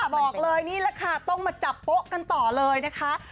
บอกเลยนี่แหละค่ะต้องมาจับโป๊ะกันต่อเลยนะคะ